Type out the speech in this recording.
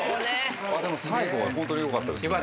でも最後はホントよかったですね。